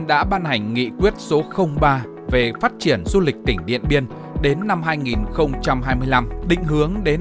đã ban hành nghị quyết số ba về phát triển du lịch tỉnh điện biên đến năm hai nghìn hai mươi năm định hướng đến